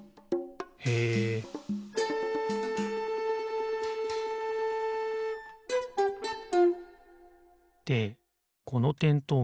へえでこのてんとう